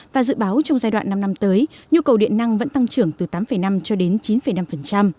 và dự báo trong giai đoạn năm năm tới nhu cầu điện năng vẫn tăng trưởng từ tám năm cho đến chín năm